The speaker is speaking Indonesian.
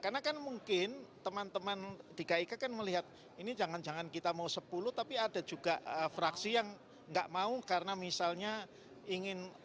karena kan mungkin teman teman di kik kan melihat ini jangan jangan kita mau sepuluh tapi ada juga fraksi yang nggak mau karena misalnya ingin lebih banyak